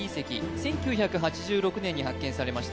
１９８６年に発見されました